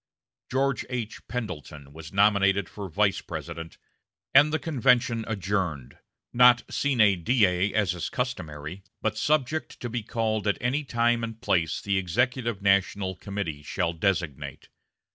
George H. Pendleton was nominated for Vice President, and the convention adjourned not sine die, as is customary, but "subject to be called at any time and place the executive national committee shall designate."